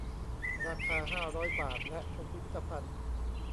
ราคา ห้าร้อย บาท และชมพิพิธภัณฑ์